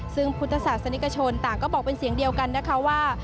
ซึ่งพุทธศาสนิกชนต่างก็บอกเป็นเสียงเดียวกันนะคะว่า